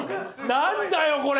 何だよこれ！